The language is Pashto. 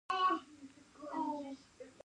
د غزني په زنه خان کې د لیتیم نښې شته.